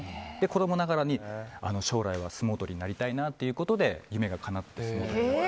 子供ながらに将来は相撲取りになりたいなということで夢がかなった。